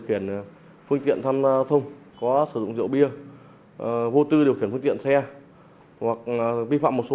khiển phương tiện tham thông có sử dụng rượu bia vô tư điều khiển phương tiện xe hoặc vi phạm một số